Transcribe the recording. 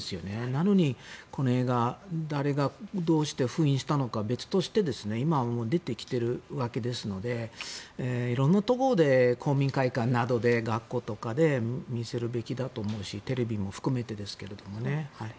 なのに、この映画誰がどうして封印したのかは別として今、出てきているわけですのでいろんなところで公民館とか、学校などで見せるべきだと思うしテレビも含めてですけどね。